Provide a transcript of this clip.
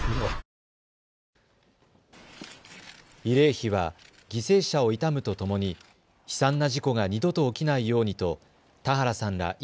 慰霊碑は犠牲者を悼むとともに悲惨な事故が二度と起きないようにと田原さんら